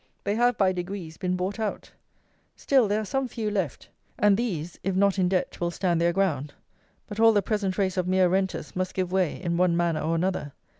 They have, by degrees, been bought out. Still there are some few left; and these, if not in debt, will stand their ground. But all the present race of mere renters must give way, in one manner or another.